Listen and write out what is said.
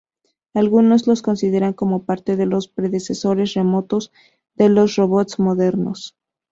Algunos los consideran como parte de los predecesores remotos de los robots modernos.